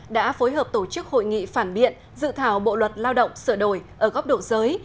đã phối hợp tổ chức hội nghị phản biện dự thảo bộ luật lao động sửa đổi ở góc độ giới